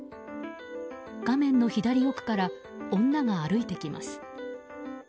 画面の左奥から女が歩いてきます。